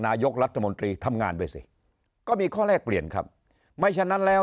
นายกรัฐมนตรีทำงานไปสิก็มีข้อแลกเปลี่ยนครับไม่ฉะนั้นแล้ว